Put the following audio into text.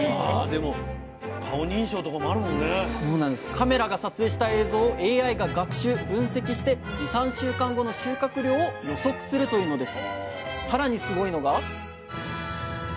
カメラが撮影した映像をＡＩが学習・分析して２３週間後の収穫量を予測するというのです。